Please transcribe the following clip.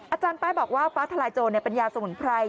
อาจารย์ป้ายบอกว่าฟ้าทลายโจรเป็นยาสมุนไพร